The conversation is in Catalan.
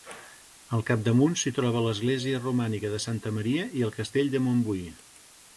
Al capdamunt s'hi troba l'església romànica de Santa Maria i el Castell de Montbui.